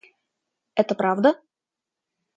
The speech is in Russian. Это правда?